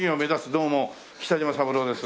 どうも北島三郎です。